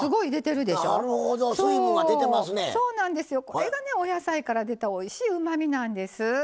これがねお野菜から出たおいしいうまみなんです。